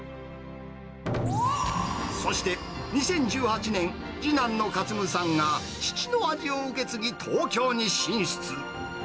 そして、２０１８年、次男の克武さんが、父の味を受け継ぎ、東京に進出。